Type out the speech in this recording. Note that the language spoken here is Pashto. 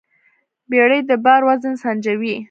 بیړۍ د بار وزن سنجوي.